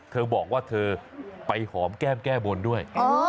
เธอบอกว่าเธอไปหอมแก้มแก้บนด้วย